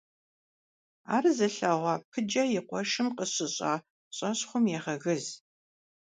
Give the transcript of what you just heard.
Ар зылъэгъуа Пыджэ и къуэшым къыщыщӀа щӀэщхъум егъэгыз.